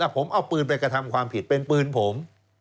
ผมเอาปืนไปกระทำความผิดเป็นปืนผม